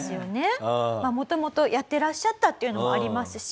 もともとやっていらっしゃったっていうのもありますし。